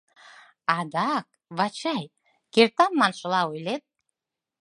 — Адак, Вачай, кертам маншыла ойлет.